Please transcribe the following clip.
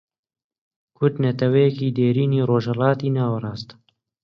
کورد نەتەوەیەکی دێرینی ڕۆژهەڵاتی ناوەڕاستە